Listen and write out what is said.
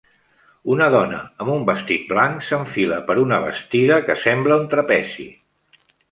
Una dona amb un vestit blanc s'enfila per una bastida que sembla un trapezi.